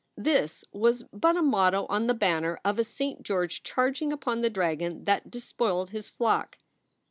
This was but a motto on the banner of a Saint George charging upon the dragon that despoiled his flock.